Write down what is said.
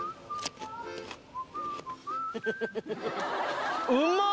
フフフフ。